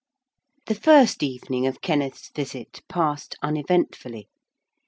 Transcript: ] The first evening of Kenneth's visit passed uneventfully.